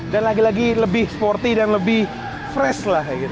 dan lagi lagi lebih sporty dan lebih fresh lah kayak gitu